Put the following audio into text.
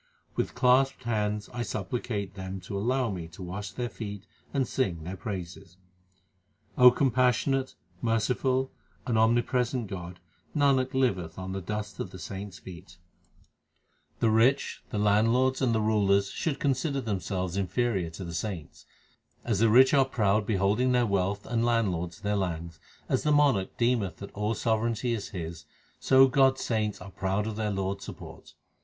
With clasped hands I supplicate them To allow me to wash their feet and sing their praises. O compassionate, merciful, and omnipresent God, Nanak liveth on the dust of the saints feet. HYMNS OF GURU ARJAN 365 The rich, the landlords, and the rulers should consider themselves inferior to the saints : As the rich are proud beholding their wealth, and land lords their lands ; As the monarch deemeth that all sovereignty is his, so God s saints are proud of their Lord s support.